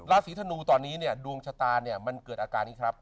ราศีธนูตอนนี้เนี่ยดวงชะตาเนี่ยมันเกิดอาการนี้ครับ